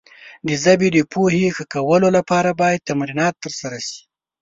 د ژبې د پوهې ښه کولو لپاره باید تمرینات ترسره شي.